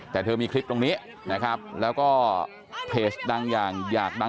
แต่เธอมีคลิปตรงนี้นะครับแล้วก็เพจดังอย่างอยากดัง